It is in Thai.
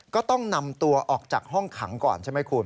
ก็ต้องนำตัวออกจากห้องขังก่อนใช่ไหมคุณ